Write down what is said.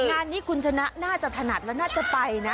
งานนี้คุณชนะน่าจะถนัดแล้วน่าจะไปนะ